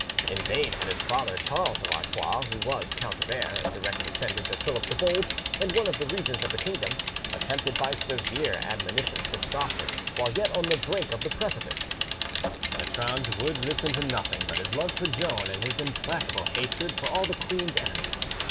In vain had his father, Charles of Artois (who was Count of Aire, a direct descendant of Philip the Bold, and one of the regents of the kingdom), attempted by severe admonitions to stop him while yet on the brink of the precipice: Bertrand would listen to nothing but his love for Joan and his implacable hatred for all the queen's enemies.